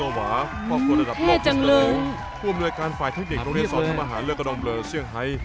ผู้อำนวยการฝ่ายเทคนิคโรงเรียนสอบทำอาหารเรื่องกระดองเบลอเสื้องไฮ